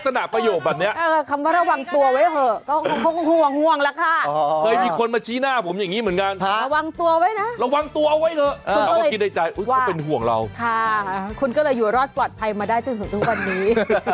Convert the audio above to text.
ถ้าคุณคิดอย่างนั้นสบายใจก็คิดไปนี่